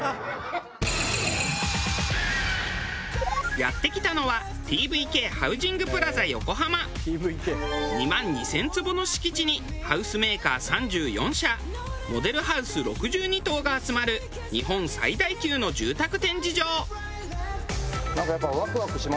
やって来たのは２万２０００坪の敷地にハウスメーカー３４社モデルハウス６２棟が集まる日本最大級の住宅展示場。